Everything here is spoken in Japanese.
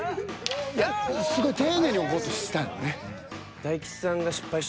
いやすごい丁寧に置こうとしたんよね。